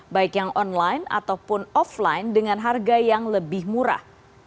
baik yang online ataupun offline dengan harga yang lebih murah